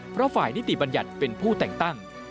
เพราะฝ่ายนิติบัญญัติเป็นผู้แต่งตั้ง